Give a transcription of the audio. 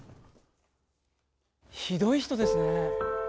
ひどい人ですね。